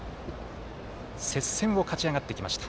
接戦を勝ち上がってきました。